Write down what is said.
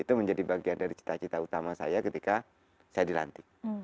itu menjadi bagian dari cita cita utama saya ketika saya dilantik